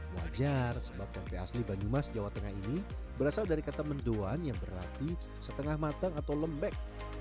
wajar sebab tempe asli banyumas jawa tengah ini berasal dari kata mendoan yang berarti setengah matang atau lembek